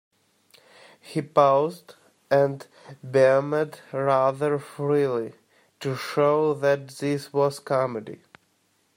He paused, and beamed rather freely, to show that this was comedy.